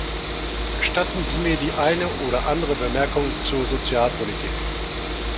Gestatten Sie mir die eine oder andere Bemerkung zur Sozialpolitik.